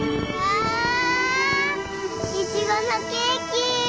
いちごのケーキ！